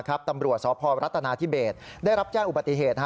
บริวัติศาสตร์สรัฐนาธิเบตได้รับแจ้งอุปติเหตุ